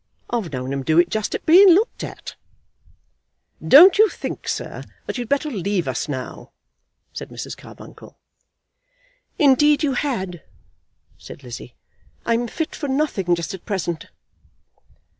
I've known 'em do it just at being looked at." "Don't you think, sir, that you'd better leave us now?" said Mrs. Carbuncle. "Indeed you had," said Lizzie. "I'm fit for nothing just at present."